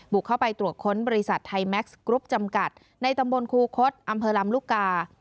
เข้าไปตรวจค้นบริษัทไทยแม็กซ์กรุ๊ปจำกัดในตำบลครูคดอำเภอลำลูกกา